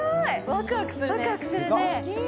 ワクワクするね。